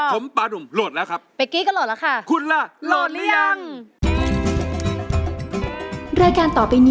ผมปานุ่มโหลดแล้วครับ